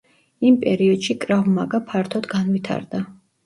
იმ პერიოდში კრავ მაგა ფართოდ განვითარდა.